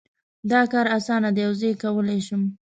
دا کار اسانه ده او زه یې کولای شم